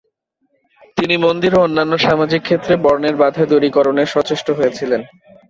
তিনি মন্দির ও অন্যান্য সামাজিক ক্ষেত্রে বর্ণের বাধা দূরীকরণে সচেষ্ট হয়েছিলেন।